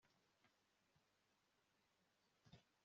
ijisho rihangayikishijwe n'urusaku rw'umuntu utazi